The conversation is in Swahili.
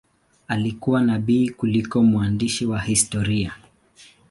Alikuwa nabii kuliko mwandishi wa historia.